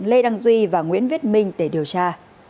lê đăng duy và nguyễn viết minh để điều tra